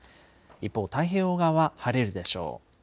一方、太平洋側は晴れるでしょう。